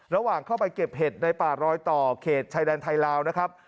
ระหว่างเข้าไปเก็บเห็ดในป่ารอยต่อเขตชายแดนไทยลาวนะครับ